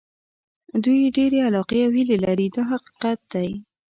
دوی ډېرې علاقې او هیلې لري دا حقیقت دی.